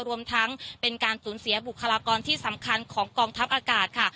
รวมทั้งเป็นการสูญเสียบุคลากรที่สำคัญของกองทัพอากาศค่ะ